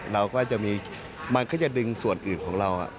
เราก็จะมีมันก็จะดึงส่วนอื่นของเรา